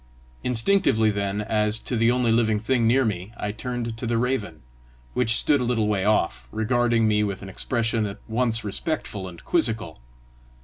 Instinctively then, as to the only living thing near me, I turned to the raven, which stood a little way off, regarding me with an expression at once respectful and quizzical.